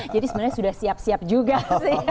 jadi sebenarnya sudah siap siap juga sih